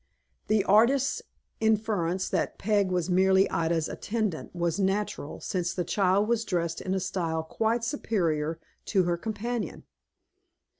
The artist's inference that Peg was merely Ida's attendant, was natural, since the child was dressed in a style quite superior to her companion.